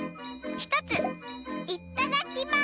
ひとついっただきます！